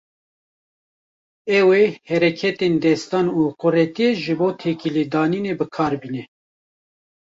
Ew ê hereketên destan û quretiyê ji bo têkilîdanînê bi kar bîne.